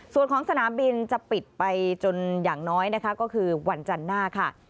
ส่วนของสนามบินจะปิดไปจนอย่างน้อยนะคะก็คือวันจันทร์หน้าค่ะ